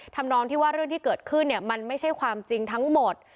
ทำนองที่ว่าเรื่องที่เกิดขึ้นเนี่ยมันไม่ใช่ความจริงทั้งหมด